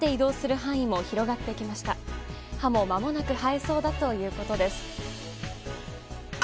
歯もまもなく生えそうだということです。